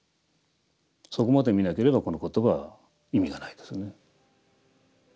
そこまで見なければこの言葉は意味がないですね。